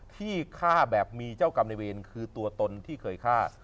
ที่ฆ่าแบบมีเจ้ากรรมในเวรคือตัวตนที่เคยฆ่า